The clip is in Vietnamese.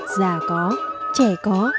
già có trẻ có